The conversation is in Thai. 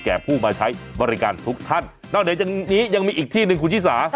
ผู้มาใช้บริการทุกท่านนอกเหนือจากนี้ยังมีอีกที่หนึ่งคุณชิสา